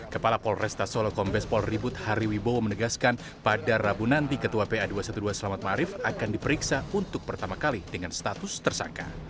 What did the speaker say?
kepala polresta solo kombespol ribut hariwibowo menegaskan pada rabu nanti ketua pa dua ratus dua belas selamat marif akan diperiksa untuk pertama kali dengan status tersangka